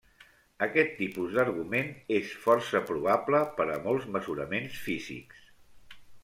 Aquest tipus d’argument és força probable pera a molts mesuraments físics.